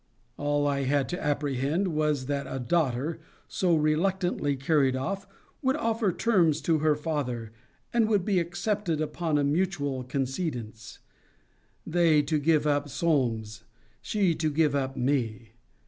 All I had to apprehend, was, that a daughter, so reluctantly carried off, would offer terms to her father, and would be accepted upon a mutual concedence; they to give up Solmes; she to give up me.